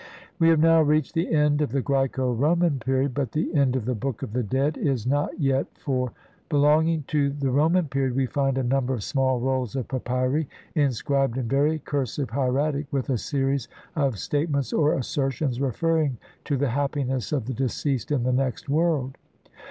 We have now reached the end of the Graeco Roman period, but the end of the Book of the Dead is not LXXII INTRODUCTION. yet, for belonging to the Roman period we find a number of small rolls of papyri inscribed in very cursive hieratic with a series of statements or asser tions referring to the happiness of the deceased in the next world.